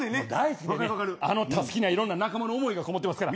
あのたすきには仲間の思いがこもってますから。